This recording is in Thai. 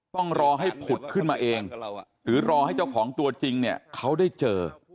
ต้องรอให้ผุดขึ้นมาเองหรือรอให้เจ้าของตัวจริงเนี่ยเขาได้เจอ